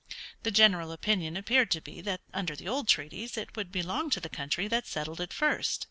The general opinion appeared to be that under the old treaties it would belong to the country that settled it first.